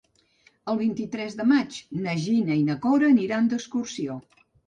El vint-i-tres de maig na Gina i na Cora aniran d'excursió.